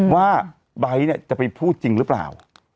ว่าไบบิทจะไปพูดจริงหรือเปล่า